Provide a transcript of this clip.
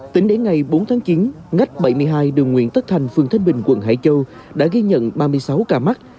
tính đến ngày bốn tháng chín ngách bảy mươi hai đường nguyễn tất thành phường thanh bình quận hải châu đã ghi nhận ba mươi sáu ca mắc